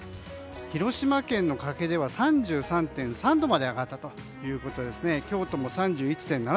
広島県の加計では３３．３度まで上がったということで今日とも３１．７度。